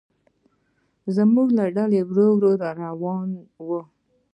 زموږ ډله ورو ورو روانه وه.